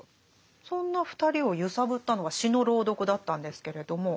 そんな２人を揺さぶったのが詩の朗読だったんですけれども。